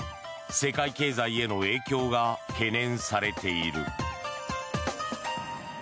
世界経済への影響が懸念されている。